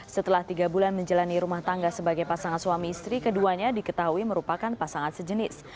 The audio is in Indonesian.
setelah tiga bulan menjalani rumah tangga sebagai pasangan suami istri keduanya diketahui merupakan pasangan sejenis